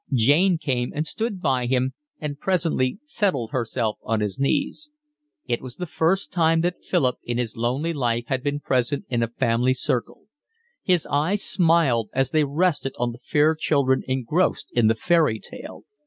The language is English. Jane came and stood by him and presently settled herself on his knees. It was the first time that Philip in his lonely life had been present in a family circle: his eyes smiled as they rested on the fair children engrossed in the fairy tale.